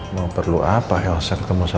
mau perlu apa ya usah ketemu sama al